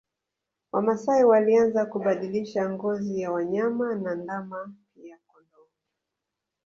Wamasai walianza kubadilisha ngozi ya wanyama na ndama pia kondoo